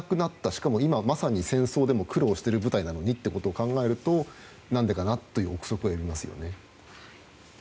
しかも今まさに戦争でも苦労している部隊なのにと考えると、何でかなという憶測は呼びますよね。